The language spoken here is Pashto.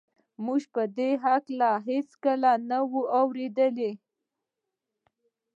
موږ په دې هکله هېڅکله څه نه وو اورېدلي